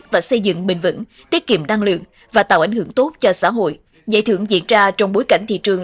và xây dựng bình vẩn tiết kiệm năng lượng và tạo ảnh hưởng tốt cho xã hội giải thưởng diễn ra trong bối cảnh thị trường